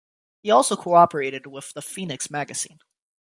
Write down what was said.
He also cooperated with the "Fenix" magazine.